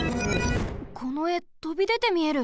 このえとびでてみえる。